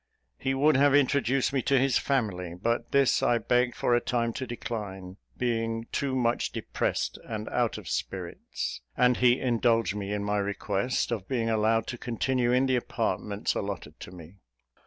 He would have introduced me to his family; but this I begged, for a time, to decline, being too much depressed and out of spirits; and he indulged me in my request of being allowed to continue in the apartments allotted to me.